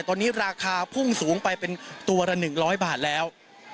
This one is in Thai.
ตอนนี้ราคาพุ่งสูงไปเป็นตัวละ๑๐๐บาทแล้ว